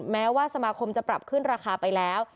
แม้ว่าสมาคมจะปรับขึ้นราคาไปแล้ว